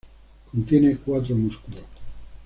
Contiene cuatro músculos.